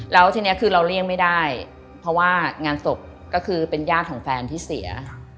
แล้วทีนี้คือเราเลี่ยงไม่ได้เพราะว่างานศพก็คือเป็นญาติของแฟนที่เสีย